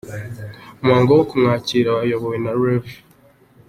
Umuhango wo kumwakira wayobowe na Rev.